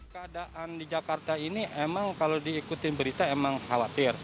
keadaan di jakarta ini emang kalau diikuti berita emang khawatir